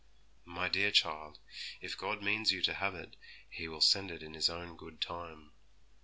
'My dear child, if God means you to have it, He will send it in His own good time.